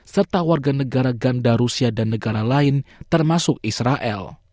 serta warga negara ganda rusia dan negara lain termasuk israel